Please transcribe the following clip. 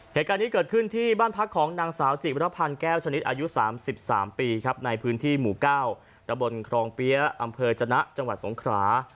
เหตุการณ์นี้เกิดขึ้นที่บ้านพักของนางสาวจิมรพันธ์แก้วชนิดอายุ๓๓ปีครับในพื้นที่หมู่๙ตะบนครองเปี๊ยะอำเภอจนะจังหวัดสงขรา